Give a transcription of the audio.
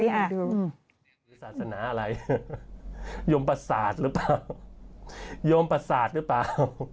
ศาสนายิศลุยศาสนาอะไรโยมประสาทหรือเปล่าโยมิพระหลัะ